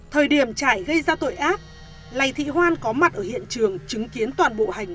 thời điểm trải gây ra tội ác lầy thị hoan có mặt ở hiện trường chứng kiến toàn bộ hành